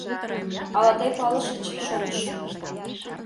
Ала тый палышыч, шонышым.